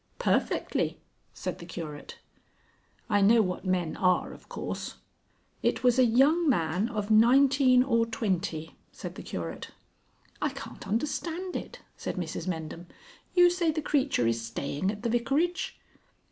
"Perfectly," said the Curate. "I know what men are, of course." "It was a young man of nineteen or twenty," said the Curate. "I can't understand it," said Mrs Mendham. "You say the creature is staying at the Vicarage?"